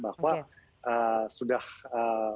bahwa sudah bisa diberikan jalan untuk kita